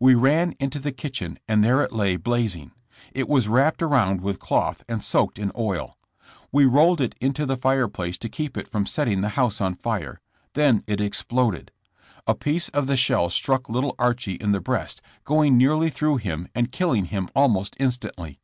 We ran into the kitchen and there it lay blazing. It was wrapped around with cloth and soaked in oil. We rolled it into the fireplace to keep it from setting the house on fire. Then it exploded. A piece of the shell struck little Archie in the breast, going nearly through him and killing him almost instantly.